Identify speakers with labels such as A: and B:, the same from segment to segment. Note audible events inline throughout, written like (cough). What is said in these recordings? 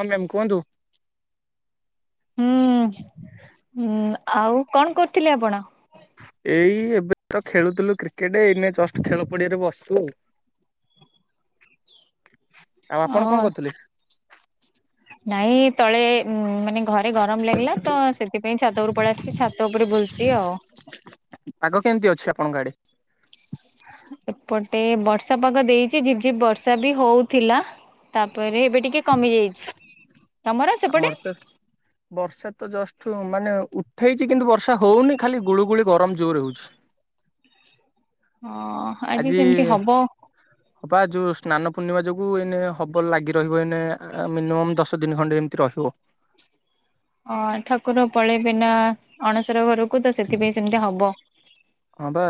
A: ହଁ ମ୍ୟାମ୍ କୁହନ୍ତୁ।
B: ହୁଁ -ହୁଁ ଆଉ କଣ୍ କରୁଥିଲେ ଆପଣ?
A: ଏଇ ଏବେ ତ ଖେଳୁଥିଲୁ କ୍ରିକେଟେ ଏଇନେ ଜଷ୍ଟ୍ ଖେଳ ପଡିଆରେ ବସିଚୁ ଆଉ। ଆଉ ଆପଣ କଣ
B: ହଁ
A: କରୁଥିଲେ?
B: ନାଇଁ ତଳେ ଉଁ- ମାନେ ଘରେ ଗରମ୍ ଲାଗିଲା ତ ସେଥିପାଇଁ ଛାତ ଉପରକୁ ପଳେଇ ଆସିଚି ଛା ଛାତ ଉପରେ ବୁଲ୍ ଚି ଆଉ।
A: ପାଗ କେମିତି ଅଛି ଆପଣଙ୍କ ଆଡେ?
B: ଏପଟେ ବର୍ଷା ପାଗ ଦେଇଚି ଝିପ୍ ଝିପ୍ ବର୍ଷା ବି ହଉଥିଲା ତାପରେ ଏବେ ଟିକେ କମି ଯାଇଚି। ତମର ସେପଟେ?
A: ଆମର ତ ବର୍ଷା ତ ଜଷ୍ଟ୍ ମାନେ ଉଠେଇଚି କିନ୍ତୁ ବର୍ଷା ହଉନି ଖାଲି ଗୁଳୁଗୁଳି ଗରମ୍ ଜୋରେ ହଉଚି।
B: ହଁ।
A: ଆଜି
B: (inaudible)
A: ହବା ଯଉ ସ୍ନାନ ପୂର୍ଣ୍ଣିମା ଯୋଗୁଁ ଏଇନେ ହବ ଲାଗି ରହିବ ଏଇନେ ଆ-ମିନିମମ୍ ଦଶ ଦିନ୍ ଖଣ୍ଡେ ଏମିତି ରହିବ।
B: ଅ- ଠାକୁର ପଳେଇବେନା ଅଣସର ଘରୁକୁ ତ ସେଥିପାଇଁ ସେମିତି ହବ।
A: ହଁ ପା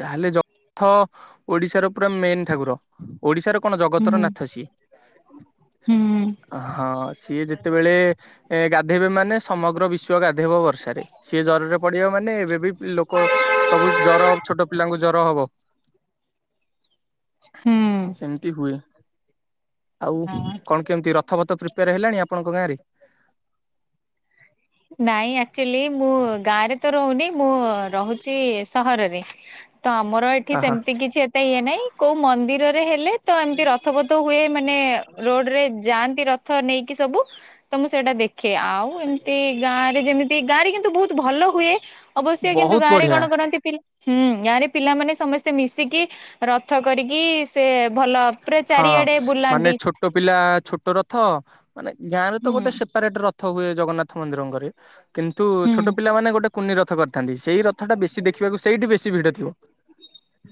A: ଯାହେଲେ ଯ- ଥ ଓଡ଼ିଶାର ପୁରା ମେନ୍ ଠାକୁର। ଓଡିଶାର କଣ
B: ହୁଁ
A: ଜଗତର
B: ହୁଁ
A: ନାଥ ସିଏ।
B: ହୁଁ।
A: ହଁ ସିଏ ଯେତେବେଳେ ଏ- ଗାଧେଇବେ ମାନେ ସମଗ୍ର ବିଶ୍ଵ ଗାଧେଇବ ବର୍ଷାରେ। ପଢେଇବା ମାନେ ଏବେ ବି ଲୋକ ସବୁ ଜର ହବ ଛୋଟ ପିଲାଙ୍କୁ ଜର ହବ।
B: ହୁଁ।
A: ଏମିତି ହୁଏ ଆଉ କଣ କେମିତି ରଥ ପଥ ପ୍ରିପେୟାର ହେଲାଣି ଆପଣଙ୍କ ଗାଁରେ?
B: ନାଇଁ ଆକ୍ଚୁଆଲି ମୁଁ ଗାଁରେ ତ ରହୁନି ମୁଁ ରହୁ ରହୁଚି ସହରରେ ତ ଆମର ଏଠି
A: ଆହା
B: ସେମିତି କିଛି ଏତ୍ ଏତେ ଇଏ ନାଇଁ କଉ ମନ୍ଦିରରେ ହେଲେ ତ ଏମିତି ରଥ ପଥ ହୁଏ ମାନେ ରୋଡ୍ ରେ ଯାଆନ୍ତି ର ରଥ ନେଇକି ସବୁ ତ ମୁଁ ସେଟା ଦେଖେ ଆଉ ଏମ୍ ଗାଁରେ ଯେମିତି ଗାଁରେ କିନ୍ତୁ ବହୁତ ଭଲ ହୁଏ ଅବଶ୍ୟ କିନ୍ତୁ
A: ବହୁତ
B: ଗାଁରେ
A: ବଢିଆ
B: କଣ କରନ୍ତି ପିଲା ହୁଁ ଗାଁରେ ପିଲାମାନେ ସମସ୍ତେ ମିଶିକି ରଥ କରିକି ସେ ଭଲ ତାପରେ
A: ହଁ
B: ଚାରିଆଡେ
A: ମାନେ
B: ବୁଲାନ୍ତି।
A: ଛୋଟ ପିଲା ଛୋଟ ରଥ ମାନେ ଗାଁରେ ତ
B: ହୁଁ
A: ଗୋଟେ ସେପାରେଟ ରଥ ହୁଏ ଜଗନ୍ନାଥ ମନ୍ଦିରଙ୍କରେ। କିନ୍ତୁ
B: ହୁଁ
A: ଛୋଟ ପିଲାମାନେ ଗୋଟେ କୁନି ରଥ କରିଥାନ୍ତି ସେଇ ରଥଟା ବେଶୀ ଦେଖିବାକୁ ସେଇଠି ବେଶୀ ଭିଡ ଥିବ।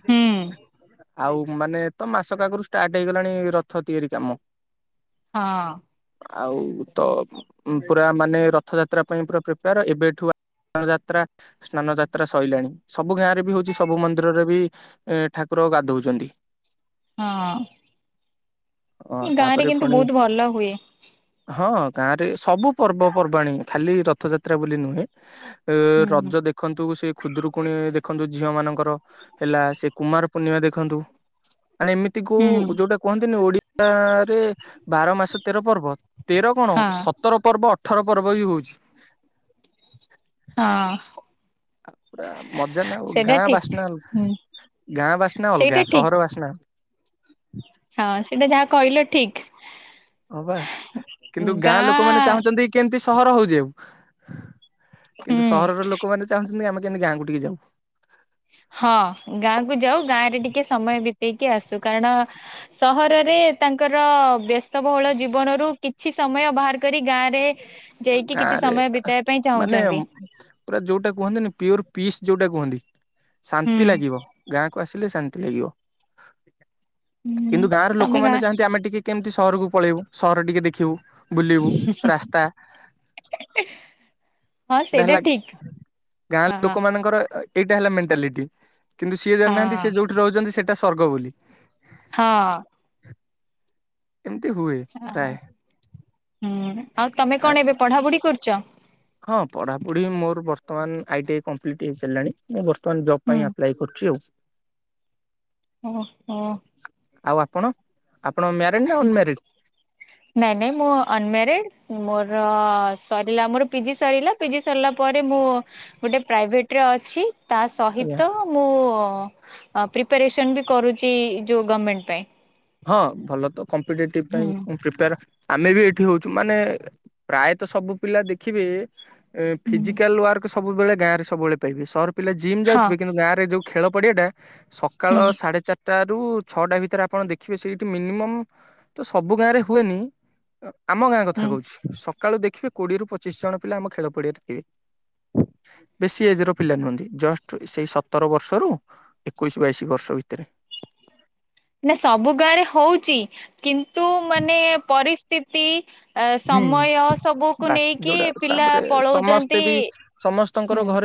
B: ହୁଁ
A: ଆଉ ମାନେ ତ ମାସକ ଆଗରୁ ଷ୍ଟାର୍ଟ ହେଇଗଲାଣି ରଥ ତିଆରି କାମ।
B: ହଁ
A: ଆଉ ତ ପୁରା ମାନେ ରଥଯାତ୍ରା ପାଇଁ ପୁରା ପ୍ରିପେୟାର ଏବେଠୁ ଯାତ୍ରା ସ୍ନାନ ଯାତ୍ରା ସଇଲାଣି ସବୁ ଗାଁରେ ବି ହଉଛି ସବୁ ମନ୍ଦିରରେ ବି ଏ ଠାକୁର ଗାଧଉଛନ୍ତି।
B: ହଁ
A: ହଁ
B: ଗାଁ ରେ
A: ତାପରେ
B: କିନ୍ତୁ
A: ପୁଣି
B: ବହୁତ ଭଲ ହୁଏ
A: ହଁ ଗାଁ ରେ ସବୁ ପର୍ବପର୍ବାଣିୀ ଖାଲି ରଥଯାତ୍ରା ବୋଲି ନୁହେଁ। ଅ ରଜ
B: ହୁଁ
A: ଦେଖ ଦେଖନ୍ତୁ ସେ ଖୁଦରୁକୁଣୀ ଦେଖନ୍ତୁ ଝିଅ ମାନଙ୍କର ହେଲା ସେ କୁମାର ପୂର୍ଣ୍ଣିମା ଦେଖନ୍ତୁ। ମାନେ ଏମିତି କୋଉ
B: ହୁଁ
A: ଯୋଉଟା କୁହନ୍ତିନି ଓଡିଆରେ ବାର ମାସ ତେର ପର୍ବ ତେର କଣ
B: ହଁ
A: ସତର ପର୍ବ ଅଠର ପର୍ବ ବି ହଉଛି।
B: ହଁ।
A: ଆଉ ପୁରା ମଜା ନା ଆଉ
B: ସେଇଟା
A: ଗାଁ
B: ଠିକ
A: ବାସ୍ନା ଅଲଗା
B: ହୁଁ
A: ଗାଁ ବାସ୍ନା
B: ସେଇଟା
A: ଅଲଗା
B: ଠିକ୍
A: ସହର ବାସ୍ନା
B: ହଁ ସେଇଟା ଯାହା କହିଲ ଠିକ।
A: ହଁବା କିନ୍ତୁ ଗାଁ ଲୋକମାନେ ଚାହୁଁଛନ୍ତି କେମିତି ସହର ହୋଇଯାଉ। କିନ୍ତୁ
B: ହୁଁ।
A: ସହରର ଲୋକମାନେେ ଚାହୁଁଛନ୍ତି ଆମେ କେମିତି ଗାଁ କୁ ଟିକେ ଯାଉ।
B: ହଁ ଗାଁ କୁ ଯାଉ ଗାଁ ରେ ଟିକେ ସମୟ ବିତେଇକି ଆସୁ କାରଣ ସହରରେ ତାଙ୍କର ବ୍ୟସ୍ତବହୁଳ ଜୀବନରୁ କିଛି ସମୟ ବାହାର କରି ଗାଁରେ ଯାଇକି କିଛି
A: ଗାଁରେ
B: ସମୟ ବିତେଇବା ପାଇଁ
A: ମାନେ
B: ଚାହୁଁଛନ୍ତି।
A: ପୁରା ଯୋଉଟା କୁହନ୍ତିନି ପିଓର ପିସ୍ ଯୋଉଟା କୁହନ୍ତି
B: ହୁଁ।
A: ଶାନ୍ତି ଲାଗିବ ଗାଁ କ ଆସିଲେ ଶାନ୍ତି ଲାଗିବ
B: ହୁଁ
A: କିନ୍ତୁ ଗାଁର
B: ତମେ ଗାଁ
A: ଲୋକମାନୋନେ ଚାହାନ୍ତି ଆମେ ଟିକେ କେମିତି ସହରକୁ ପଳେଇବୁ ସହର ଟିକେ ଦେଖିବୁ ବୁଲିବୁ ରାସ୍ତା।
B: (inaudible)
A: ଏଇଟା
B: ସେଇଟା
A: ହେଲା
B: ଠିକ୍
A: ଗାଁ
B: ହଁ ହଁ
A: ଲୋକମାନାନଙ୍କର ଏଇଟା ହେଲା ମେଣ୍ଟାଲିଟି କିନ୍ତୁ ସିଏ ଜାଣିନାହାନ୍ତି ସେ ଯୋଉଠି ରହୁଛନ୍ତି ସେଇଟା ସର୍ଗ ବୋଲି।
B: ହଁ।
A: ଏମିତି ହୁଏ
B: ହ
A: ପ୍ରାୟ
B: ହୁଁ ଆଉ ତମେ କଣ ଏବେ ପଢାପଢି କରୁଛ?
A: ହଁ ପଢାପଢି ମୋର ବର୍ତ୍ତମାନ ଆଇଟି ଆଇ କମ୍ପ୍ଲିଟ ହେଇପାରିଲାଣି ମୁଁ ତ ଜବ
B: ହୁଁ
A: ପାଇଁ ଆପ୍ଲାଏ କରୁଛି ଆଉ।
B: ଓ ହ।
A: ଆଉ ଆପଣ ଆପଣ ମ୍ୟାରିଡ ନା ଅନମ୍ୟାରିଡ।
B: ନାଇଁ ନାଇଁ ମୁଁ ଅନମାରିଡ ମୋର ସରିଲା ମୋର ପିଜି ସରିଲା ପିଜି ସରିଲା। ପରେ ମୁଁ ଗୋଟେ ପ୍ରାଇଭେଟରେ ଅଛି ତା
A: ଆଜ୍ଞା
B: ସହିତ ମୁଁ ପ୍ରିପାରେସନ ବି କରୁଛି ଯୋଉ ଗଭର୍ଣମେଣ୍ଟ ପାଇଁ।
A: ହଁ ଭଲ ତ କମ୍ପିଟେଟିଭ ପାଇଁ
B: ହୁଁ
A: ପ୍ରିପୋର। ଆମେ ବି ଏଇଠି ହଉଛୁ ମାନେ ପ୍ରାୟତଃ ସବୁ ପିଲା ଦେଖିବେ। ଫିଜିକାଲ ୱାର୍କ ସବୁବେଳେ ଗାଁ ରେ ସବୁବେଳେ ପାଇବେ ସହର ପିଲା ଜିମ୍
B: ହଁ
A: ଯାଉଥିବେ କିନ୍ତୁ ଗାଁରେ ଯୋଉ ଖେଳ ପଡିଆ ଟା ସକାଳ
B: ହୁଁ
A: ସାଢେ ଚାରିଟା ରୁ ଛଅଟା ଭିତରେ ଆପଣ ଦେଖ ଦେଖିବେ ସେଇଠି ମିନିମମ୍ ତ ସବୁ ଗାଁ ରେ ହୁଏନି ଆମ ଗାଁ କଥା
B: ହୁଁ
A: କହୁଛି। ସକାଳୁ ଦେଖିବେ କୋଡିଏରୁ ପଚିଶି ଜଣ ପିଲା ଆମ ଖେଳ ପଡିଆରେ ଥିବେ।
B: (inaudible)
A: ବେଶୀ ଏଜ ର ପିଲା ନୁହନ୍ତି ଜଷ୍ଟ ସେଇ ସତର ବର୍ଷରୁ ଏକୋଇଶ ବାଇଶି ବର୍ଷ ଭିତରେ।
B: ନା ସବୁ ଗାଁ ରେ ହଉଚି କିନ୍ତୁ ମାନେ ପରିସ୍ଥିତି ଆ
A: ହୁଁ।
B: ସମୟ ସବୁକୁ
A: ବାସ୍
B: ନେଇକି
A: ଯୋଉଟା
B: ପିଲା
A: ତାପରେ
B: ପଳଉଛନ୍ତି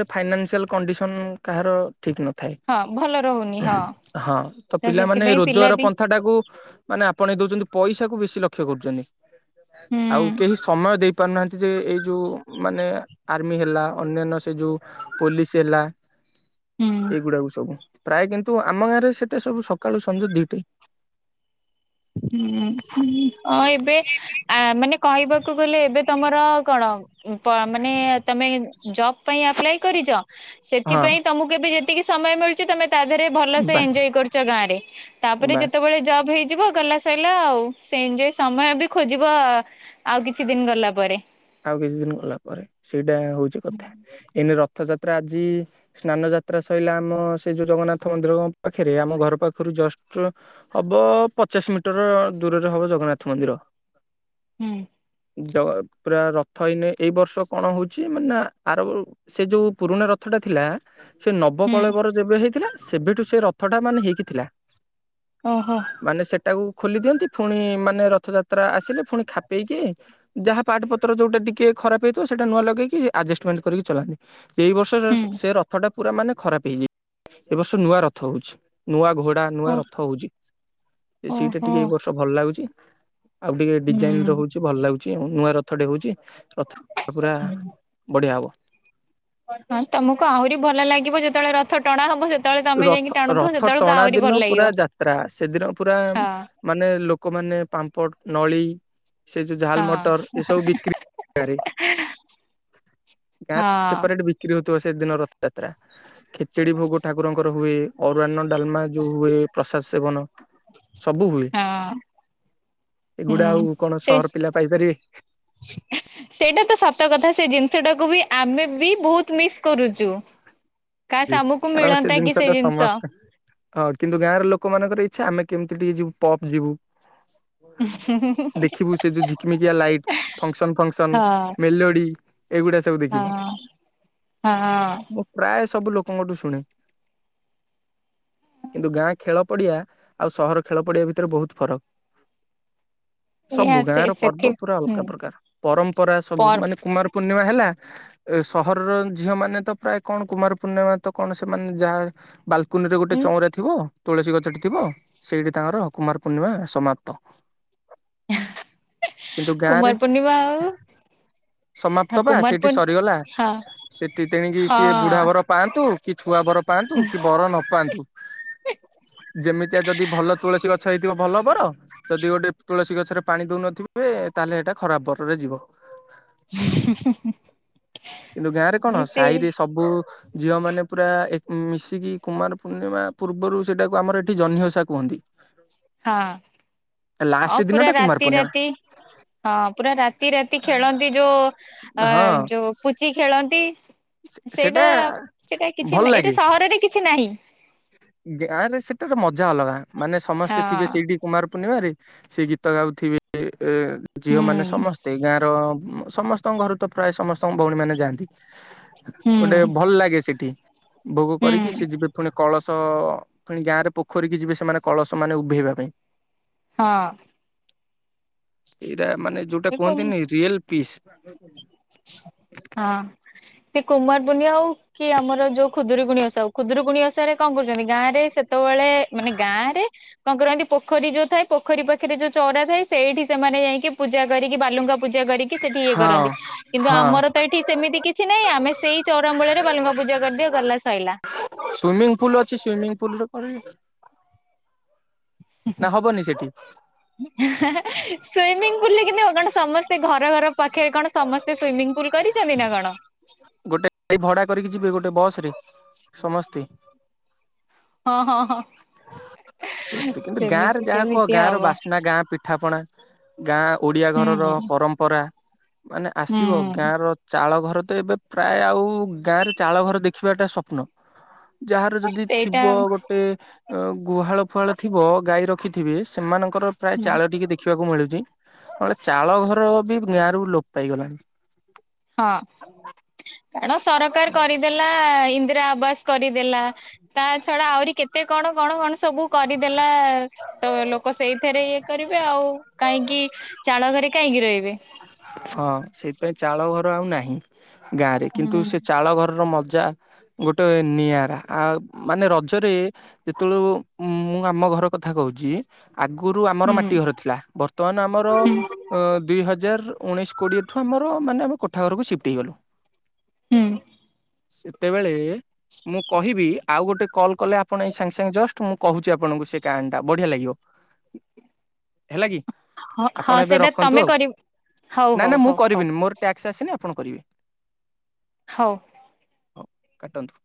A: ଫାଇନାନ୍ସିଆଲ୍ କଣ୍ଡିସନ୍ କାହାର। ଠିକ ନଥାଏ
B: ହଁ ଭଲ ରହୁନି ହଁ
A: ହଁ ତ ପିଲାମାନେ
B: ସେଥିପାଇଁ ପିଲା
A: ରୋଜଗାର
B: ବି
A: ପନ୍ଥା ଟାକୁ ମାନେ ଆପଣ ଏ ଦଉଛନ୍ତି ପଇସା କୁ ବେଶୀ ଲକ୍ଷ୍ୟ କରୁଛନ୍ତି
B: ହୁଁ
A: ଆଉ କେହି ସମୟ ଦେଇ କହି ପାରୁନାହାନ୍ତି ଯେ ଏଇ ଯୋଉ ମାନେ ଆର୍ମି ହେଲା ଅନ୍ୟାନ୍ୟ ସେ ଯଉ ପୋଲିସ ହେଲା।
B: ହୁଁ
A: ଏଇଗୁଡାକୁ ସବୁ ପ୍ରାୟ କିନ୍ତୁ ଆମ ଗାଁ ରେ ସେଟା ସବୁ ସକାଳୁ ସଞ୍ଜା ଦିଟା।
B: ହୁଁ ହଁ ଏବେ ଆ ମାନେ କହିବାକୁ ଗଲେ ଏବେ ତମର କଣ। ମାନେ ତମେ ଜବ ପାଇଁ ଆପ୍ଲାଏ କରିଛ
A: ହଁ
B: ସେଥିପାଇଁ ତମକୁ କେବେ ଯି ଟିକେ ସମୟ ମିଳୁଛି ତମେ ତା ଦେହରେ ଭଲସ
A: ବାସ୍
B: ଏଞ୍ଜୟ କରୁଛ ଗାଁରେ ତାପରେ
A: ବାସ୍।
B: ଯେତେବେଳେ ଜବ ହେଇଯିବ। ଗଲା ସଇଲା ଆଉ ସେଜ ସମୟ ବି ଖୋଜିବ ଆଉ କିଛି ଦିନ ଗଲା ପରେ
A: ଆଉ କିଛି ଦିନ ଗଲା ପରେ ସେଇଟା ହଉଚି କଥା ଏନି ରଥଯାତ୍ରା ଆଜି ସ୍ନାନ ଯାତ୍ରା ସରିଲା ଆମ ସେ ଯୋଉ ଜଗନ୍ନାଥ ମନ୍ଦିର ପାଖରେ ଆମ ଘର ପାଖରୁ ଜଷ୍ଟ ହବ ପଚାଶ ମିଟର ଦୂରରେ ହବ ଜଗନ୍ନାଥ ମନ୍ଦିର।
B: ହୁଁ।
A: ପୁରା ରଥ ହେଇନ ଏଇ ବର୍ଷ କଣ ହଉଛି ମାନେ ଆର ସେ ଯୋଉ ପୁରୁଣା ରଥ ଟା ଥିଲା, ସେ
B: ହୁଁ
A: ନବକୋଳେବର ଯେବେ ହେଇଥିଲା ସେବେଠୁ ସେ ରଥଟା ମାନେ ହେଇକି ଥିଲା ‌।
B: ଓହୋ।
A: ମାନେ ସେଟାକୁ ଖୋଲି ଦିଅନ୍ତି ପୁଣି ମାନେ ରଥଯାତ୍ରା ଆସିଲେ ପୁଣି ଖାପେଇକି ଯାହା, ପାଟପତ୍ର ଯେଉଁଟା ଟିକେ ଖରାପ ହେଇଥିବ ସେଇା ନୂଆ ଲଗେଇକି ଆଜଷ୍ଟମେଣ୍ଟ କରିକି ଚଲାନ୍ତି। ଏଇ ବର୍ଷ
B: ହୁଁ
A: ସେ ରଥ ଟା ପୁରା ମାନେ ଖରାପ ହେଇଛି ଏ ବର୍ଷ ନୂଆ ରଥ ହଉଛି। ନୂଆ ଘୋଡା
B: ଓ
A: ନୂଆ ରଥ ହଉଛି ସେଇଟା
B: ଓହୋ
A: ଟିକେ ଏଇ ବର୍ଷ ଭଲ ଲାଗୁଛି ଆଉ ଟିକେ ଡିଜାଇନ
B: ହୁଁ।
A: ର ହଉଛି ଭଲ ଲାଗୁଛି ନୂଆ ରଥଟେ ହଉଛି ରଥ ପୁରା ବଢିଆ ହବ
B: ହଁ ତମକୁ ଆହୁରି ଭଲ ଲାଗିବ ଯେତେବେଳେ ରଥ ଟଣା ହବ ସେତେବେଳେ ତମେ ଯାଇକି
A: ରଥ
B: ଟାଣୁଥିବ
A: ରଥ
B: ସେତେବେଳକୁ
A: ଟଣା
B: ଆହୁରି ଭଲ
A: ଦିନ ପୁରା
B: ଲାଗିବ।
A: ଯାତ୍ରା ସେଦିନ ପୁରା
B: ହଁ
A: ମାନେ ଲୋକମାନେ ପାମ୍ପଡ଼ ନଳି ସେ ଯଉ
B: ହଁ
A: ଝାଲ ମଟର ଏ ସବୁ ବିକ୍ରି- ଗାଁରେ
B: ହଁ
A: ସେପାରେଟ ବିକ୍ରି ହଉଥିବ ସେଦିନ ରଥଯାତ୍ରା ଖେଚେଡି ଭୋଗ ଠାକୁରଙ୍କର ହୁଏ ଅରୁରାର୍ଣ ଡାଲମା ଯୋଉ ହୁଏ ପ୍ରସାଦ ସେବନ ସବୁ ହୁଏ।
B: ହଁ
A: ଏଗୁଡା
B: ହୁଁ
A: ଆଉ କଣ
B: ସେ
A: ସହର ପିଲା ପାଇପାରିବେ
B: (unintelligible) ସେଇଟା ତ ସତ କଥା ସେ ଜିନିଷ ଟାକୁ ବି ଆମେ ବି ବହୁତ ମିସ୍ କରୁଛୁ କାସ୍ ଆମକୁ
A: କାରଣ ସେ
B: ମିଳନ୍ତା କି
A: ଜିନିଷ ଟା ସମସ୍ତେ, ହଁ କିନ୍ତୁ ଗାଁର ଲୋକମାନଙ୍କର ଇଚ୍ଛା ଆମେ କେମିତି ଟିକେ ଯିବୁ ପପ୍ ଯିବୁ ଦେଖିବୁ ସେ ଯୋଉ ଝିକିମିକିଆ ଲାଇଟ ଫଙ୍କସନ ଫଙ୍କସନ
B: ହଁ
A: ମେଲୋଡି ଏଇଗୁଡା ସବୁ
B: ହଁ
A: ଦେଖିବୁ
B: ହଁ
A: ମୁଁ ପ୍ରାୟ ସବୁ ଲୋକଙ୍କଠୁ ଶୁଣେ କିନ୍ତୁ ଗାଁ ଖେଳ ପଡିଆ ଆଉ ସହର ଖେଳ ପଡିଆ ଭିତରେ ବହୁତ ଫରକ
B: (inaudible) ଏଇଆ
A: ସବୁ
B: ସେ
A: ଗାଁ ର
B: ସେଥି
A: ପର୍ବ ପୁରା
B: ହୁଁ
A: ଅଲଗା ପ୍ରକାର ପରମ୍ପରା ସବୁ
B: ପର୍
A: ମାନେ କୁମାର ପୂର୍ଣ୍ଣିମା ହେଲା ଏ ସହରର ଝିଅ ମାନେ ତ ପ୍ରାୟ କଣ କୁମାର- ପୂର୍ଣ୍ଣିମା ତ କଣ ସେମାନେ ଯାହା ବାଲ- କୁନିରେ ଗୋଟେ
B: ଉଁ
A: ଚଉଁରା ଥିବ ତୁଳସୀ ଗଛଟି ଥିବ ସେଇଠି ତାଙ୍କର କୁମାର ପୂର୍ଣ୍ଣିମା ସମାପ୍ତ। କିନ୍ତୁ ଗାଁ ରେ
B: କୁମାର ପୂର୍ଣ୍ଣିମା ଆଉ,
A: ସମାପ୍ତ
B: ହଁ
A: ବା
B: କୁମାର
A: ସେଇଠି
B: ପୂର୍ଣ୍ଣ
A: ସରିଗଲା
B: ହଁ
A: ସେଠି ତେଣିକି ସିଏ
B: ହଁ
A: ବୁଢାବର। ପାଆନ୍ତୁ କି ଛୁଆ ବର ପାଆନ୍ତୁ କି ବର ନ ପାଆନ୍ତୁ। ଯେମିତିଆ ଯଦି ଭଲ ତୁଳସୀ ଗଛ ହେଇଥିବ ଭଲ ଵର ଯଦି ଗୋଟେ ତୁଳସୀ ଗଛରେ ପାଣି ଦଉନଥିବେ ତାହେଲେ ଏଇଟା ଖରାପ ବରରେ ଯିବ।
B: ହ ହଁ ହଁ
A: କିନ୍ତୁ ଗାଁ ରେ କଣ ସାହିରେ ସବୁ ଝିଅ ମାନେ ପୁରା ଏକ ମିଶିକି କୁମାର ପୂର୍ଣ୍ଣିମା ପୂର୍ବରୁ ସେଟାକୁ ଆମର ଏଠି ଜହ୍ନି ଓସା କୁହନ୍ତି।
B: ହଁ। ହଁ
A: ଲାଷ୍ଟ ଦିନ
B: ପୁରା
A: ଟା କୁମାର
B: ରାତି
A: ପୂର୍ଣ୍ଣିମା
B: ରାତି ହଁ ପୁରା ରାତି ରାତି ଖେଳନ୍ତି। ଯୋଉ ଅ
A: ହଁ
B: ଯୋଉ ପୁଚି ଖେଳନ୍ତି। ସେଇଟା ସେଇଟା କିଛି
A: ଭଲ
B: ନାଁ
A: ଲାଗେ
B: ଏଇଟା ସହରରେ କିଛି ନାହିଁ।
A: ଗାଁ ରେ ସେଟାର ମଜା ଅଲଗା ମାନେ ସମସ୍ତେ ଥିବେ
B: ହଁ
A: ସେଇଠି। କୁମାର ପୂର୍ଣ୍ଣିମାରେ ସେ ଗୀତ ଗାଉଥିବେ ଝିଅ ମାନେ
B: ହୁଁ
A: ସମସ୍ତେ ଗାଁରେ। ସମସ୍ତଙ୍କ ଘରୁ ତ ପ୍ରାୟ ସମସ୍ତଙ୍କ ଭଉଣୀ ମାନେ ଯାଆନ୍ତି‌।
B: ହୁଁ
A: ଗୋଟେ ଭଲ ଲାଗେ ସେଠି। ଭୋଗ କରିକି ସେ
B: ହୁଁ
A: ଯିବେ ପୁଣି କଳସ ପୁଣି ଗାଁ ରେ ପୋଖରୀ ଯିବେ ସେମାନେ କଳସ ମାନେ ଉଭେଇବା ପାଇଁ।
B: ହଁ।
A: ଏଇଟା ମାନେ ଯୋଉଟା
B: ଏ କୁମ୍
A: କୁହନ୍ତିନି ରିଏଲ ପିସ୍।
B: ହଁ ସେ କୁମାର ପୁନିଆ ଆଉ କି ଆମର ଯୋଉ ଖୁଦୁରୁକୁଣି ଓଷାକୁ ଖୁଦୁରୁକୁଣି ଓଷାରେ କଣ କରୁଛନ୍ତି ଗାଁରେ ସେତେବେଳେ ମାନେ ଗାଁ ରେ କଣ କରନ୍ତି? ପୋଖରୀ ଯୋଉ ଥା ପୋଖରୀ ପାଖରେ ଯୋଉ ଚଉରା ଥାଏ ସେଇଠି ସେମାନେ ଯାଇକି ପୂଜା କରିକି ବାଲୁଙ୍କା ପୂଜା କରିକି ସେଠି ଇଏ
A: ହଁ
B: କରନ୍ତି। କିନ୍ତୁ
A: ହଁ
B: ଆମର ତ ଏଠି ସେମିତି କିଛି ନାହିଁ ଆମେ ସେଇ ଚଉରା ମୂଳରେ ବାଲୁଙ୍ଗା ପୂଜା କରିଦିଅ ଗଲା ଶଇଲା।
A: ସୁଇମିଂ ପୁଲ ଅଛି ସୁଇମିଂ ପୁଲରେ କଣ ନା ହବନି ସେଠି?
B: ସୁଇମିଙ୍ଗ ପୁଲରେ କିନ୍ତୁ କଣ ସମସ୍ତେ ଘର ଘର ପାଖରେ କଣ ସମସ୍ତେ ସୁଇମିଂ ପୁଲ କରିଛନ୍ତି ନା କଣ?
A: ଗୋଟେ ଗାଡି ଭଡା କରିକି ଯିବେ ଗୋଟେ ବସ ରେ ସମସ୍ତେ।
B: ହଁ ହଁ ହଁ।
A: ସେଇତି କିନ୍ତୁ ଗାଁ ରେ
B: ସେମିତି
A: ଯାହା କୁହ
B: କେମିତି
A: ଗାଁ ର
B: ହବ
A: ବାସ୍ନା ଗାଁ ପିଠା ପିଠାପଣା ଗାଁ ଓଡ଼ିଆ
B: ହୁଁ
A: ଘରର
B: ହୁଁ।
A: ପରମ୍ପରା ମାନେ ଆସିବ। ଗାଁ
B: ହୁଁ
A: ର ଚାଳ ଘର ତ ଏବେ ପ୍ରାୟ ଆଉ ଗାଁ ରେ ଚାଳ ଘର ଦେଖିବାଟା ସ୍ୱପ୍ନ। ଯାହାର ଯଦି
B: ସେଇଟା
A: ଥିବ ଗୋଟେ ଅ ଗୁହାଳ ଫୁହାଳ ଥିବ ଗାଈ ରଖିଥିବେ ସେମାନଙ୍କର ପ୍ରାୟ
B: ହୁଁ
A: ଚାଳ ଟିକେ ଦେଖ ଦେଖିବାକୁ ମିଳୁଛି ନହେଲେ ଚାଳ ଘର ବି ଗାଁରୁ ଲୋପ ପାଇଗଲାଣି।
B: ହଁ କାରଣ ସରକାର କରିଦେଲା ଇନ୍ଦିରା ଆବାସ। କରିଦେଲା ତା ଛଡା ଆହୁରି କେତେ କଣ କଣ କଣ ସବୁ କରିଦେଲା। ତ ଲୋକ ସେଇଥିରେ ଇଏ କରିବେ ଆଉ କାହିଁକି ଚାଳ ଘରେ କାହିଁକି ରହିବେ।
A: ହଁ ସେଥିପାଇଁ ଚାଳ ଘର ଆଉ ନାହିଁ। ଗାଁରେ
B: ହୁଁ
A: କିନ୍ତୁ ସେ ଚାଳ ଘରର ମଜା। ଗୋଟେ ନିଆରା ଆ ମାନେ ରଜରେ ଯେତେବେଳୁ ମୁଁ ଆମ ଘର କଥା କହୁଛି। ଆଗରୁ ଆମର
B: ହୁଁ
A: ମାଟି ଘର ଥିଲା ବର୍ତ୍ତମାନ ଆମର
B: ହୁଁ
A: ଅ ଦୁଇ ହଜାର ହଜାର ଉଣେଇଶ କୋଡ଼ିଏଠୁ ଆମର ମାନେ ଆମେ କୋଠା ଘରକୁ ସି୍ଫ୍ଟ ହେଇଗଲୁ।
B: ହୁଁ।
A: ସେତେବେଳେ ମୁଁ କହିବି ଆଉ ଗୋଟେ କଲ୍ କଲେ ଆପଣ ଏଇ ସାଙ୍ଗେ ସାଙ୍ଗେ ଜଷ୍ଟ ମୁଁ କହୁଛି ଆପଣଙ୍କୁ ସେ କାହାଣୀଟା ବଢ଼ିଆ ଲାଗିବ।
B: (inaudible)
A: ହେଲା କି?
B: ହଁ
A: ଆପଣ
B: ହଁ
A: ଏବେ
B: ସେଇଟା
A: ରଖନ୍ତୁ
B: ତମେ
A: ଆଉ
B: କରିବ। ହଉ
A: ନା
B: ହଉ
A: ନା ମୁଁ
B: ହଉ ହଉ
A: କରିବିନି ମୋର ଟ୍ୟାକ୍ସ ଆସିନି ଆପଣ କରିବେ।
B: ହୋଉ।
A: ହୋଉ କାଟନ୍ତୁ।